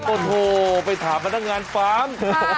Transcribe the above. โอ้โธ่ไปถามพนักงานปั๊ม